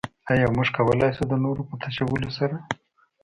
ايا موږ کولای شو د نورو په تشولو سره.